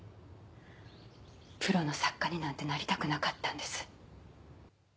プロの作家になんてなりたくなかったんです。